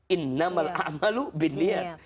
innamal a'malu biniat